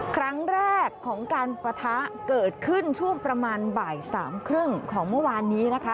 ครั้งแรกของการปะทะเกิดขึ้นช่วงประมาณบ่ายสามครึ่งของเมื่อวานนี้นะคะ